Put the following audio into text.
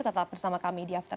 tetap bersama kami di after sepuluh